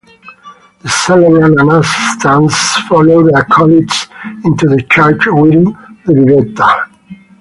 The celebrant and assistants follow the acolytes into the church wearing the biretta.